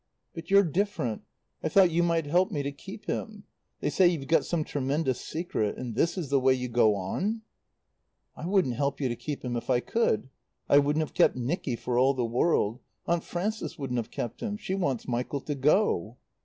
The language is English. "But you're different. I thought you might help me to keep him they say you've got some tremendous secret. And this is the way you go on!" "I wouldn't help you to keep him if I could. I wouldn't have kept Nicky for all the world. Aunt Frances wouldn't have kept him. She wants Michael to go."